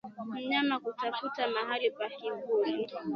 Mnyama kutafuta mahali pa kivuli